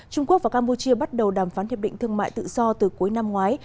trung quốc và campuchia bắt đầu đàm phán hiệp định thương mại tự do từ cuối năm ngoái